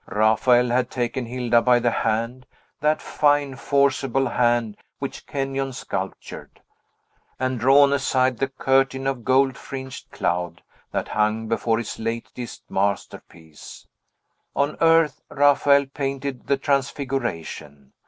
Raphael had taken Hilda by the hand, that fine, forcible hand which Kenyon sculptured, and drawn aside the curtain of gold fringed cloud that hung before his latest masterpiece. On earth, Raphael painted the Transfiguration.